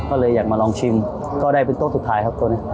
ก็เลยอยากมาลองชิมก็ได้เป็นโต๊ะสุดท้ายครับตัวนี้